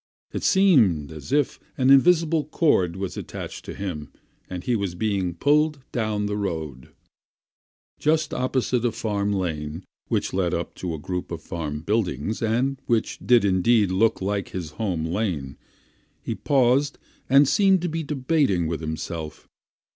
It seemed as if an invisible cord was attached to him, and he was being pulled down the road. Just opposite a farm lane which led up to a group of farm buildings, and which did indeed look like his home lane, he paused and seemed to be debating with himself.